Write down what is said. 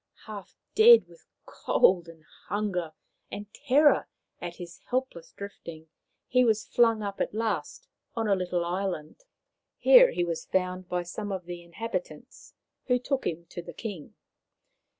Half dead with cold and hunger and terror at his helpless drifting, he was flung up at last on a little island. Here he was found by some of the inhabitants, who took him to the king.